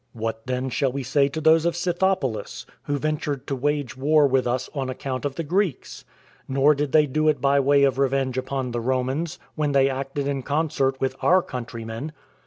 What then shall we say to those of Scythopolis, who ventured to wage war with us on account of the Greeks? Nor did they do it by way of revenge upon the Romans, when they acted in concert with our countrymen.